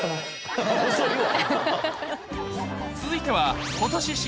遅いわ。